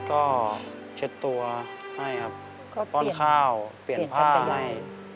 ก็เช็ดตัวให้ครับป้อนข้าวเปลี่ยนผ้าให้